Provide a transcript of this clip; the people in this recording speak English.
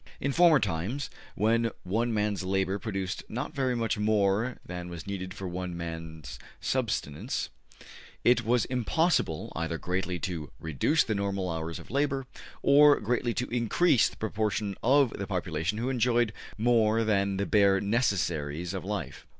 In former times, when one man's labor produced not very much more than was needed for one man's subsistence, it was impossible either greatly to reduce the normal hours of labor, or greatly to increase the proportion of the population who enjoyed more than the bare necessaries of life.